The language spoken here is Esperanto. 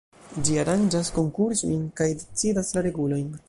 Ĝi aranĝas konkursojn kaj decidas la regulojn.